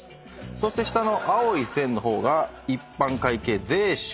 そして下の青い線の方が一般会計税収。